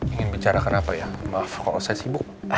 ingin bicarakan apa ya maaf kalau saya sibuk